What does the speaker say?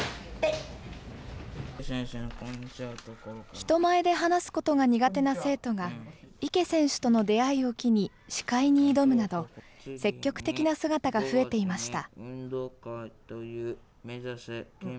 人前で話すことが苦手な生徒が、池選手との出会いを機に、司会に挑むなど、積極的な姿が増えていました。